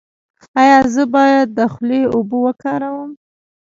ایا زه باید د خولې اوبه وکاروم؟